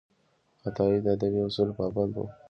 عطايي د ادبي اصولو پابند و.